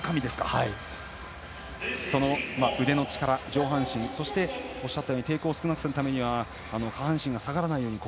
その腕の力、上半身おっしゃったように抵抗を少なくするために下半身が下がらないように。